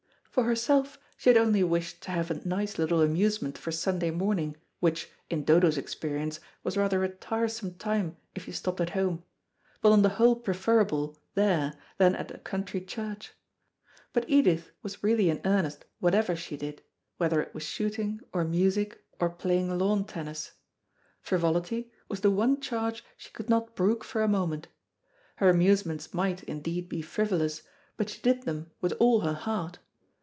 For herself she had only wished to have a nice little amusement for Sunday morning, which, in Dodo's experience, was rather a tiresome time if you stopped at home, but on the whole preferable there than at a country church. But Edith was really in earnest whatever she did, whether it was shooting, or music, or playing lawn tennis. Frivolity, was the one charge she could not brook for a moment. Her amusements might, indeed, be frivolous, but she did them with all her heart.